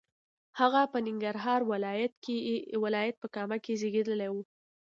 هغه په ننګرهار ولایت په کامه کې زیږېدلی و.